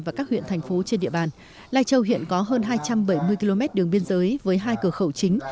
và các huyện thành phố trên địa bàn lai châu hiện có hơn hai trăm bảy mươi km đường biên giới với hai cửa khẩu chính